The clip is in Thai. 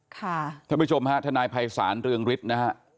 ท่านผู้ชมฮะทนายภัยศาลเรืองฤทธิ์นะฮะ